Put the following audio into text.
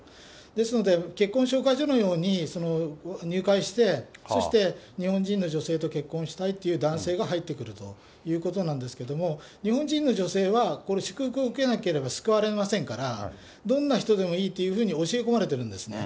ですので、結婚紹介所のように入会して、そして日本人の女性と結婚したいという男性が入ってくるということなんですけれども、日本人の女性は祝福を受けなければ救われませんから、どんな人でもいいっていうふうに教え込まれてるんですね。